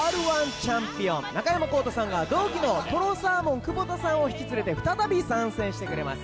チャンピオン中山功太さんが同期のとろサーモン久保田さんを引き連れて再び参戦してくれます